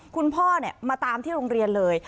คุณพ่อมาตามที่โรงเรียนเลย